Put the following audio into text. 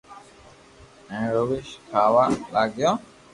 ھين روي کاھ وا لاگيو